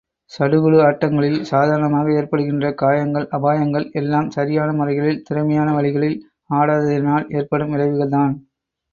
சடுகுடு ஆட்டங்களில் சாதாரணமாக ஏற்படுகின்ற காயங்கள், அபாயங்கள் எல்லாம் சரியான முறைகளில், திறமையான வழிகளில் ஆடாததினால் ஏற்படும் விளைவுகள்தான்.